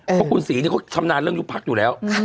เพราะคุณศรีเขาชำนาญเรื่องยุบพักอยู่แล้ว